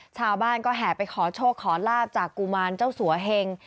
ชาวบ้านก็แห่ไปขอโชคขอลาบจากกุมารเจ้าสัวเฮง